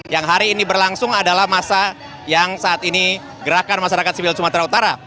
yang hari ini berlangsung adalah masa yang saat ini gerakan masyarakat sipil sumatera utara